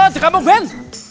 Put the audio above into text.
jangan mau ben